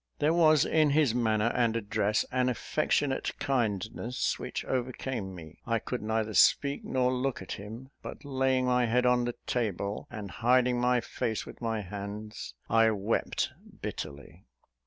There was in his manner and address an affectionate kindness which overcame me. I could neither speak nor look at him; but, laying my head on the table, and hiding my face with my hands, I wept bitterly.